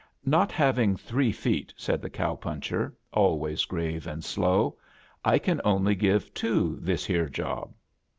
"Not having three feet," said the cow puncher, always grave and slow, "I can only give two this here job."